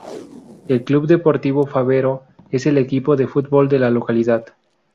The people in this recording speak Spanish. El Club Deportivo Fabero es el equipo de fútbol de la localidad.